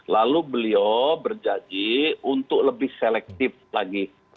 lalu beliau berjanji untuk lebih selektif lagi